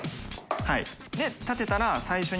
はい